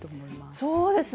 そうですね。